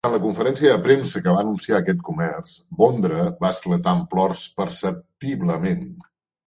En la conferència de premsa que va anunciar aquest comerç, Bondra va esclatar en plors perceptiblement.